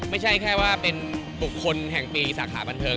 ไม่ใช่แค่ว่าเป็นบุคคลแห่งปีสาขาบันเทิง